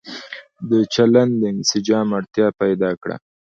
د چلن د انسجام اړتيا پيدا کړه